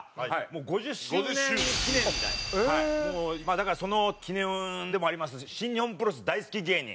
だからその記念でもありますし新日本プロレス大好き芸人